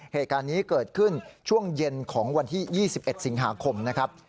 เหตุการณ์นี้เกิดขึ้นช่วงเย็นของวันที่๒๑สิงหาคมนะครับ